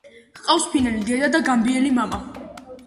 ჰყავს ფინელი დედა და გამბიელი მამა.